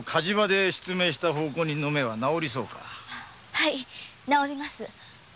はい治ります。